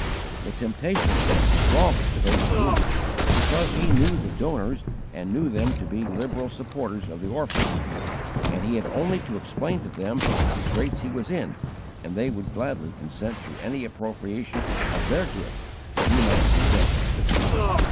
The temptation was the stronger so to do, because he knew the donors and knew them to be liberal supporters of the orphans; and he had only to explain to them the straits he was in and they would gladly consent to any appropriation of their gift that he might see best!